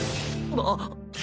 あっ。